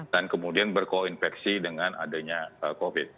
dan kemudian berkoinfeksi dengan adanya covid